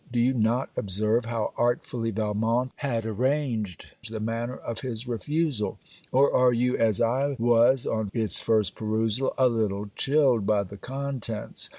Do you not observe how artfully Valmont had arranged the manner of his refusal; or are you, as I was on its first perusal, a little chilled by the contents?